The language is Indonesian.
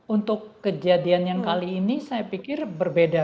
untuk kejadian yang kali ini saya pikir berbeda